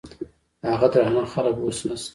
هغه درانه خلګ اوس نشته.